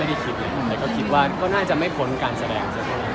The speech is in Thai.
อื้นยังไม่คิดว่าแตกว่าน่าจะไม่ค้นการแสดง